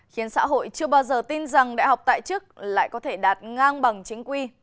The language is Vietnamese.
khiến xã hội chưa bao giờ tin rằng đại học tại chức lại có thể đạt ngang bằng chính quy